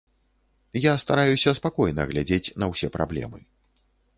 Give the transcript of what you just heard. Я стараюся спакойна глядзець на ўсе праблемы.